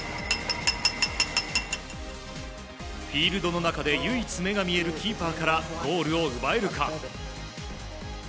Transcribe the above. フィールドの中で唯一目が見えるキーパーからゴールを奪えるか。